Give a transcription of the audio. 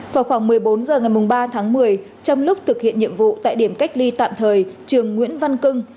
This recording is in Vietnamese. vào khoảng một mươi bốn h ngày ba tháng một mươi trong lúc thực hiện nhiệm vụ tại điểm cách ly tạm thời trường nguyễn văn cưng